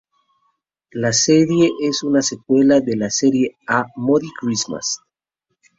La serie es una secuela de la serie "A Moody Christmas".